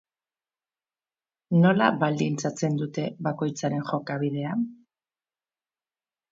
Nola baldintzatzen dute bakoitzaren jokabidea?